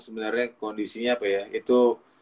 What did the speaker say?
sebenarnya kondisinya apa ya itu